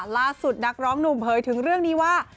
นักร้องหนุ่มเผยถึงเรื่องนี้ว่า